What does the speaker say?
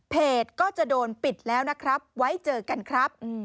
ก็จะโดนปิดแล้วนะครับไว้เจอกันครับ